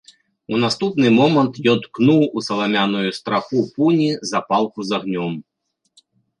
У наступны момант ён ткнуў у саламяную страху пуні запалку з агнём.